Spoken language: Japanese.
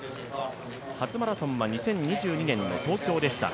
初マラソンは２０２２年の東京でした。